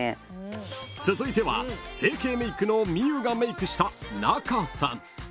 ［続いては整形メイクのみゆがメイクしたナカさん］